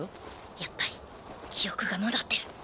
やっぱり記憶が戻ってる